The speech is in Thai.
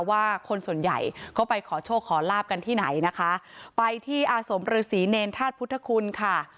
ว่าคนส่วนใหญ่ก็ไปขอโชคขอลาบกันที่ไหนนะคะไปที่อาสมฤษีเนรธาตุพุทธคุณค่ะ